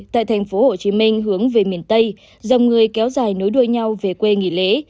tại thành phố hồ chí minh hướng về miền tây dòng người kéo dài nối đuôi nhau về quê nghỉ lễ